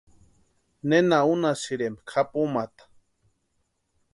¿Nena únhasïrempki japumata?